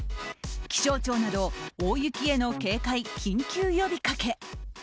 気象庁など大雪への警戒、緊急呼びかけ。